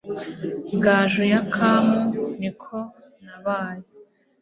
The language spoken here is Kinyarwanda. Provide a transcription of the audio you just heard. Gaju yakamu ni ko nabaye